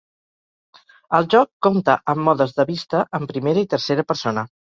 El joc compta amb modes de vista en primera i tercera persona.